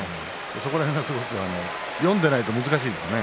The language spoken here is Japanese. その辺も読んでいないと難しいですね。